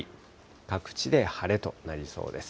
各地で晴れとなりそうです。